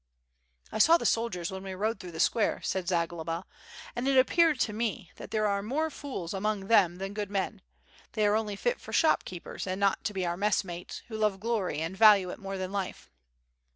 "1 saw the soldiers when we rode through the square," said Zagloba, "and it appeared to me that there are more fools among them than good men, they are only fit for shop keepers and not to be our messmates, who love glory, and value it more than life."